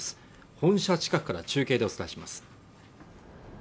本社近くから中継でお伝えします